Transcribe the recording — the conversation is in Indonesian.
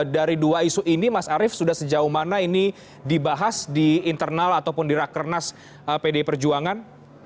dari dua isu ini mas arief sudah sejauh mana ini dibahas di internal ataupun di rakernas pdi perjuangan